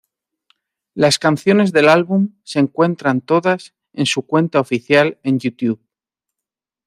Las canciones del álbum se encuentran todas en su cuenta oficial en "YouTube".